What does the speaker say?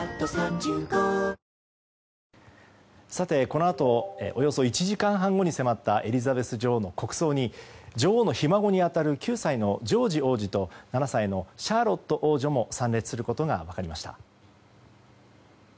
このあとおよそ１時間半後に迫ったエリザベス女王の国葬に女王のひ孫に当たる９歳のジョージ王子と７歳のシャーロット王女も参列することが分かりました。